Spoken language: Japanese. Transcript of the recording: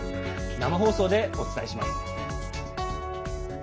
生放送でお伝えします。